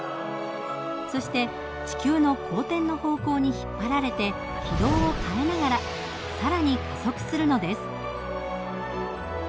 そして地球の公転の方向に引っ張られて軌道を変えながら更に加速するのです。